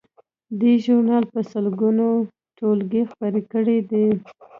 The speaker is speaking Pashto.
دې ژورنال په سلګونو ټولګې خپرې کړې دي.